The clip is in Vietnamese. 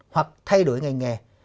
hoặc thay đổi ngành nghề